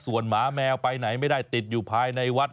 ส่วนหมาแมวไปไหนไม่ได้ติดอยู่ภายในวัด